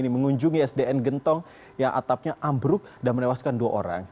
mengunjungi sdn gentong yang atapnya ambruk dan menewaskan dua orang